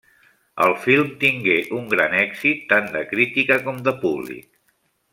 El film tingué un gran èxit tant de crítica com de públic.